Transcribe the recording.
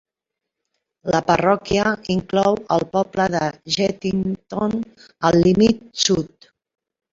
La parròquia inclou el poble de Yettington al límit sud.